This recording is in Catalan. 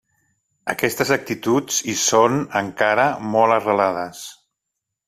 Aquestes actituds hi són, encara, molt arrelades.